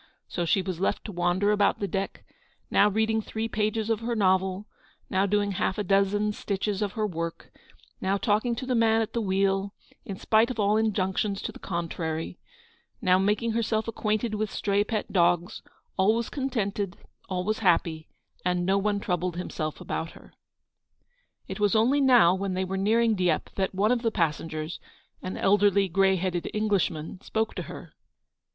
So she was left to wander about the deck; now reading three pages of her novel; now doing half a dozen stitches of her work ; now talking to the man at the wheel, in spite of all injunc tions to the contrary; now making herself ac GOING HOME. 7 quainted with stray pet dogs ; always contented, always happy; and no one troubled himself about her. It was only now, when they were nearing Dieppe, that one of the passengers, an elderly, grey headed Englishman, spoke to her.